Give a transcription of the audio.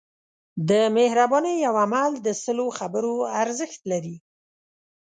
د مهربانۍ یو عمل د سلو خبرو ارزښت لري.